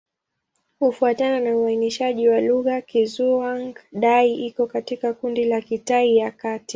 Kufuatana na uainishaji wa lugha, Kizhuang-Dai iko katika kundi la Kitai ya Kati.